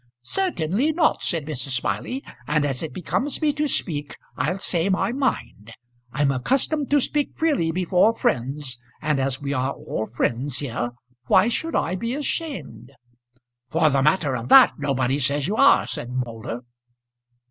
"Certainly not," said Mrs. Smiley. "And as it becomes me to speak, I'll say my mind. I'm accustomed to speak freely before friends, and as we are all friends here, why should I be ashamed?" "For the matter of that nobody says you are," said Moulder.